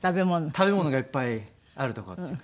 食べ物がいっぱいある所っていうか。